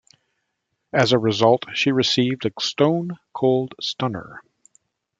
As a result she received a Stone Cold Stunner.